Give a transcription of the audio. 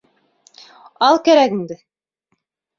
Ал кәрәгеңде!